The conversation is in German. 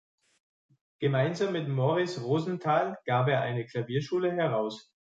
Gemeinsam mit Moriz Rosenthal gab er eine Klavierschule heraus.